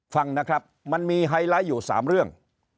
ฟังนะครับมันมีไฮไลท์อยู่๓เรื่อง